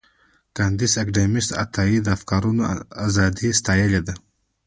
کانديد اکاډميسن عطایي د افکارو ازادي ستایلې ده.